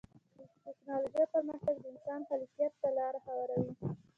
د ټکنالوجۍ پرمختګ د انسان خلاقیت ته لاره هواروي.